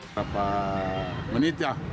berapa menit ya